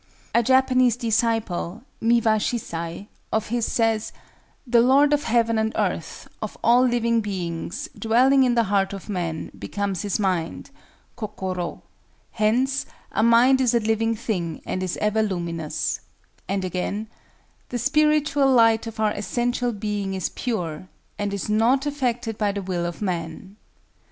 A Japanese disciple of his says—"The lord of heaven and earth, of all living beings, dwelling in the heart of man, becomes his mind (Kokoro); hence a mind is a living thing, and is ever luminous:" and again, "The spiritual light of our essential being is pure, and is not affected by the will of man.